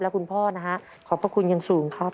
คุณพ่อนะฮะขอบพระคุณอย่างสูงครับ